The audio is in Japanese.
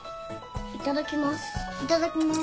いただきます。